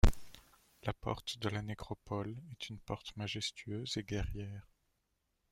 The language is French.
La porte de la nécropole est une porte majestueuse et guerrière.